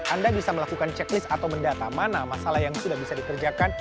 anda bisa melakukan checklist atau mendata mana masalah yang sudah bisa dikerjakan